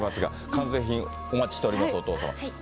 完成品、お待ちしております、お父様。